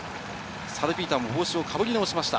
サルピーターも帽子をかぶり直しました。